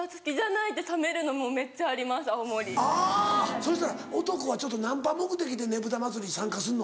そしたら男はナンパ目的でねぶた祭に参加すんの？